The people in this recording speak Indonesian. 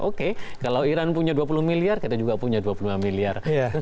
oke kalau iran punya dua puluh miliar kita juga punya dua puluh lima miliar